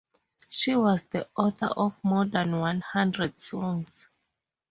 She was the author of more than one hundred songs.